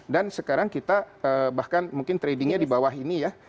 dan sekarang kita bahkan mungkin tradingnya di bawah ini ya